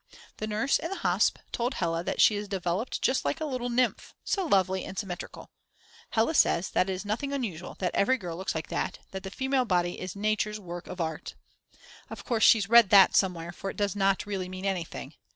The nurse in the hosp. told Hella that she is developed just like a little nymph, so lovely and symetrical. Hella says that is nothing unusual, that every girl looks like that, that the female body is Nature's Work of Art. Of course she's read that somewhere, for it does not really mean anything.